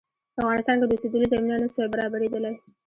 په افغانستان کې د اوسېدلو زمینه نه سوای برابرېدلای.